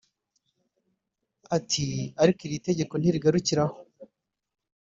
Ati “Ariko iri tegeko ntirigarukira aho